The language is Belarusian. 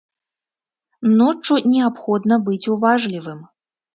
Ноччу неабходна быць уважлівым.